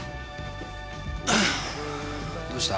どうした？